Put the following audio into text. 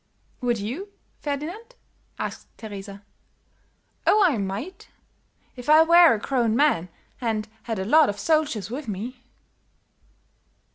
"Would you, Ferdinand?" asked Teresa. "Oh, I might, if I were a grown man and had a lot of soldiers with me."